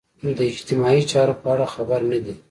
د اجتماعي چارو په اړه خبر نه دي.